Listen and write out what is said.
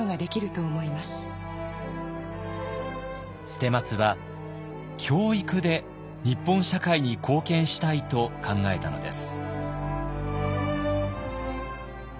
捨松は教育で日本社会に貢献したいと考えたのです。